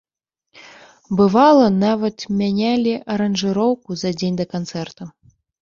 Бывала, нават мянялі аранжыроўку за дзень да канцэрта.